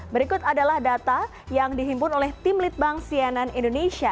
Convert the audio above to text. berikut adalah data yang dihimpun oleh tim litbang sianan indonesia